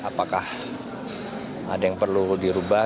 apakah ada yang perlu dirubah